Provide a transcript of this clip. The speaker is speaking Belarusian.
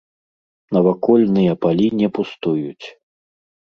Навакольныя палі не пустуюць.